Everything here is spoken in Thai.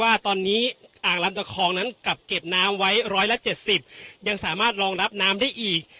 ว่าตอนนี้อ่างลำตะคองนั้นกลับเก็บน้ำไว้๑๗๐ยังสามารถรองรับน้ำได้อีก